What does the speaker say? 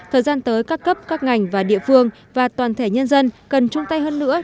thời gian tới các cấp các ngành và địa phương và toàn thể nhân dân cần chung tay hơn nữa